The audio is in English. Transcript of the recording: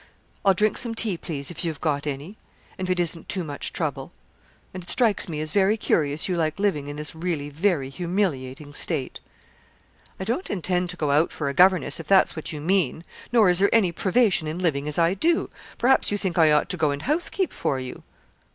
I'll drink some tea, please, if you have got any, and it isn't too much trouble; and it strikes me as very curious you like living in this really very humiliating state.' 'I don't intend to go out for a governess, if that's what you mean; nor is there any privation in living as I do. Perhaps you think I ought to go and housekeep for you.'